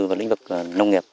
vào lĩnh vực nông nghiệp